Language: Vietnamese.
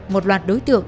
một loạt đối tượng